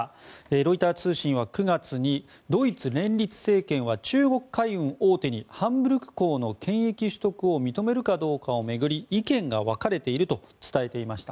ロイター通信は９月にドイツ連立政権は中国海運大手にハンブルク港の権益取得を認めるかどうかを巡り意見が分かれていると伝えていました。